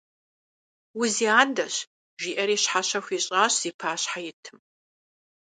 Узиадэщ, – жиӀэри щхьэщэ хуищӀащ зи пащхьэ итым.